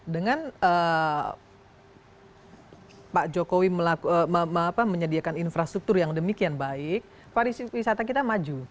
dengan pak jokowi menyediakan infrastruktur yang demikian baik pariwisata kita maju